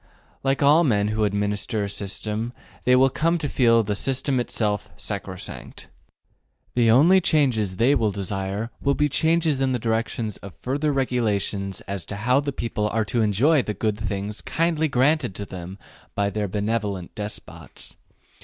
Like all men who administer a system, they will come to feel the system itself sacrosanct. The only changes they will desire will be changes in the direction of further regulations as to how the people are to enjoy the good things kindly granted to them by their benevolent despots.